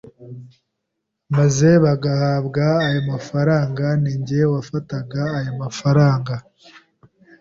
maze bagahabwa ayo mafaranga ninjye wafataga ayo mafaranga